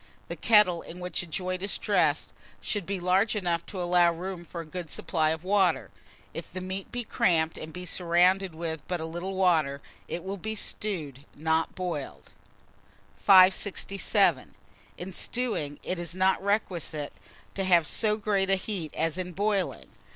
The kettle in which a joint is dressed should be large enough to allow room for a good supply of water; if the meat be cramped and be surrounded with but little water, it will be stewed, not boiled. 567. IN STEWING, IT IS NOT REQUISITE to have so great a heat as in boiling.